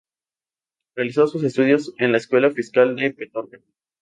Realizó sus estudios en la Escuela Fiscal de Petorca.